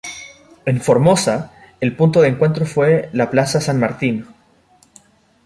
En Formosa el punto de encuentro fue la Plaza San Martín.